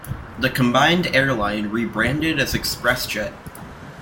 The combined airline rebranded as ExpressJet.